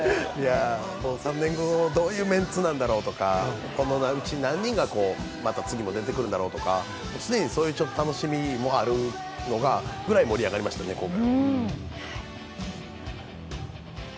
３年後、どういうメンツなんだろうとか、このうち何人がまた次も出てくるんだろうとか、常にそういう楽しみもあるぐらい盛り上がりましたね、今回。